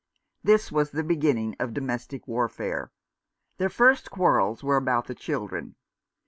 This was the beginning of domestic warfare. Their first quarrels were about the children.